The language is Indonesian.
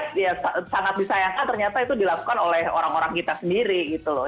ya sangat disayangkan ternyata itu dilakukan oleh orang orang kita sendiri gitu loh